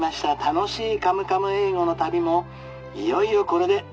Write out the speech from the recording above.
楽しい『カムカム英語』の旅もいよいよこれでお別れです。